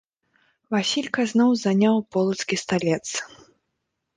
Васілька зноў заняў полацкі сталец.